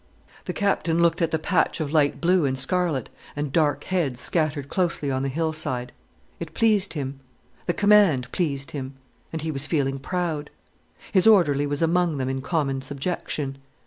The Captain looked at the patch of light blue and scarlet, and dark heads, scattered closely on the hillside. It pleased him. The command pleased him. And he was feeling proud. His orderly was among them in common subjection.